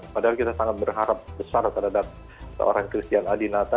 padahal kita sangat berharap besar terhadap seorang christian adinata